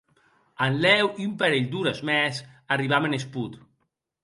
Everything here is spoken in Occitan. En lèu un parelh d'ores mès arribam en Espot.